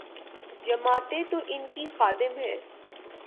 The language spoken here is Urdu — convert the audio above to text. جماعتیں تو ان کی خادم ہیں۔